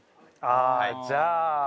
ああじゃあ。